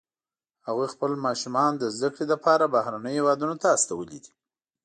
هغوی خپل ماشومان د زده کړې لپاره بهرنیو هیوادونو ته استولي دي